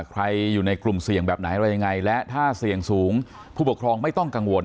ใครอยู่ในกลุ่มเสี่ยงแบบไหนอะไรยังไงและถ้าเสี่ยงสูงผู้ปกครองไม่ต้องกังวล